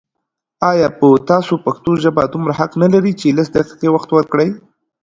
آيا په تاسو پښتو ژبه دومره حق نه لري چې لس دقيقې وخت ورکړئ